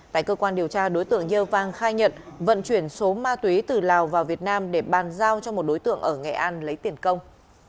tại cơ quan điều tra đối tượng yeo vang khai nhận vận chuyển số ma túy từ lào vào việt nam để bàn giao cho một đối tượng ở nghệ an lấy tiền công